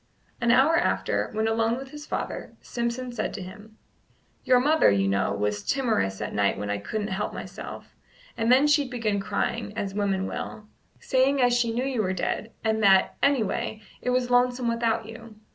An hour after, when alone with his father, Simpson said to him: "Your mother, you know, was timorous at night when I couldn't help myself; and then she'd begin crying, as women will, saying as she knew you were dead, and that, any way, it was lonesome without you.